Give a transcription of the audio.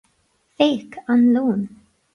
Féach an leon!